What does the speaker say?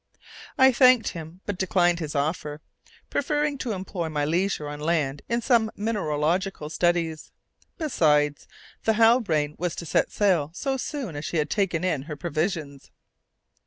I thanked him, but declined his offer, preferring to employ my leisure on land in some mineralogical studies. Besides, the Halbrane was to set sail so soon as she had taken in her provisions.